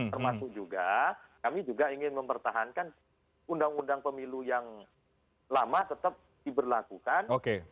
termasuk juga kami juga ingin mempertahankan undang undang pemilu yang lama tetap diberlakukan